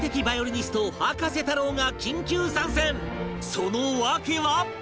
その訳は